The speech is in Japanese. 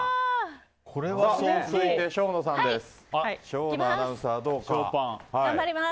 続いて生野さんです。